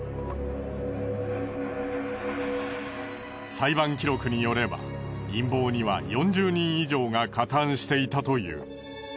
裁判記録によれば陰謀には４０人以上が加担していたという。